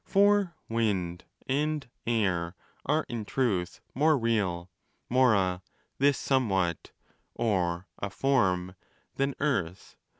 1 For Wind and Air are in truth more real—more a 'this somewhat' or a 'form'—than Earth.